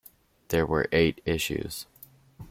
There were eight issues.